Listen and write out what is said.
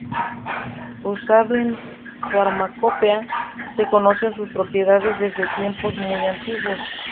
Usado en farmacopea, se conocen sus propiedades desde tiempos muy antiguos.